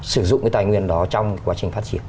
sử dụng cái tài nguyên đó trong quá trình phát triển